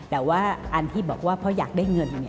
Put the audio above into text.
แต่ว่าอันที่บอกว่าเพราะอยากได้เงิน